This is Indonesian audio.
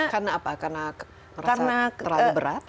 karena apa karena merasa terlalu berat